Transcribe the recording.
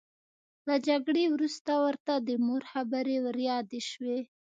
له جګړې وروسته ورته د مور خبرې وریادې شوې